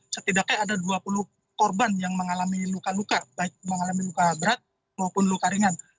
setidaknya ada dua puluh korban yang mengalami luka luka baik mengalami luka berat maupun luka ringan